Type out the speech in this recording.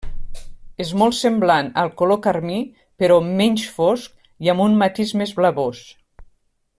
És molt semblant al color carmí però menys fosc i amb un matís més blavós.